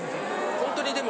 ホントにでも。